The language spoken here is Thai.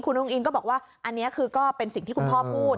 คุณอุ้งอิงก็บอกว่าอันนี้คือก็เป็นสิ่งที่คุณพ่อพูด